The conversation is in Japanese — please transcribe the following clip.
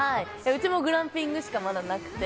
うちもグランピングしかまだなくて。